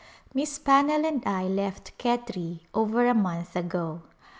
Miss Pannell and I left Khetri over a month ago.